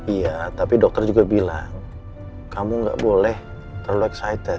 iya tapi dokter juga bilang kamu nggak boleh terlalu excited